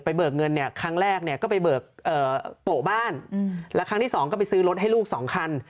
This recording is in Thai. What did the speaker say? เบิกเงินเนี่ยครั้งแรกเนี่ยก็ไปเบิกโปะบ้านแล้วครั้งที่สองก็ไปซื้อรถให้ลูกสองคัน